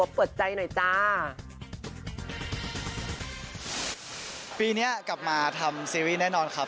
ปีนี้กลับมาทำซีรีส์แน่นอนครับ